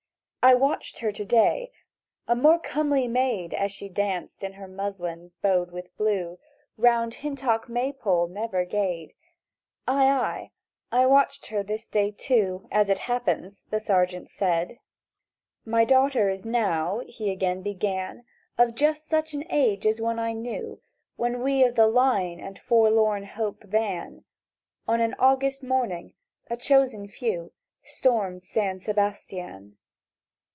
"I watched her to day; a more comely maid, As she danced in her muslin bowed with blue, Round a Hintock maypole never gayed." —"Aye, aye; I watched her this day, too, As it happens," the Sergeant said. "My daughter is now," he again began, "Of just such an age as one I knew When we of the Line and Forlorn hope van, On an August morning—a chosen few— Stormed San Sebastian.